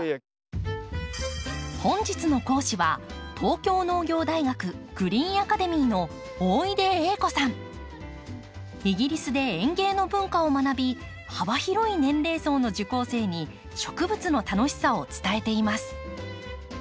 本日の講師はイギリスで園芸の文化を学び幅広い年齢層の受講生に植物の楽しさを伝えています。